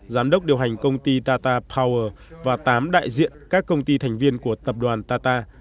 giám đốc điều hành công ty tata power và tám đại diện các công ty thành viên của tập đoàn tata